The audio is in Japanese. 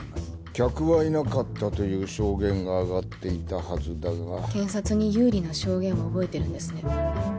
客はいなかったという証言があがっていたはずだが検察に有利な証言は覚えてるんですね